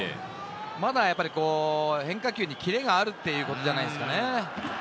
まだやっぱり変化球にキレがあるということじゃないですかね。